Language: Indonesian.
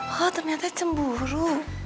oh ternyata cemburu